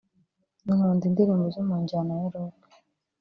Nkunda indirimbo zo mu njyana ya Rock